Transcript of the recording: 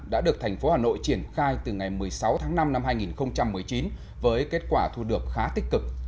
đã được thành phố hà nội triển khai từ ngày một mươi sáu tháng năm năm hai nghìn một mươi chín với kết quả thu được khá tích cực